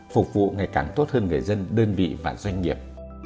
phục vụ ngày càng tốt hơn người dân đơn vị và doanh nghiệp